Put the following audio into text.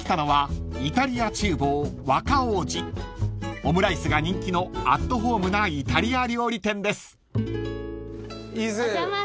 ［オムライスが人気のアットホームなイタリア料理店です］